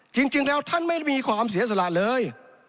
จริงแล้วท่านไม่ได้มีความเสียสละเลย